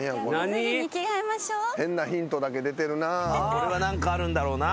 これは何かあるんだろうな。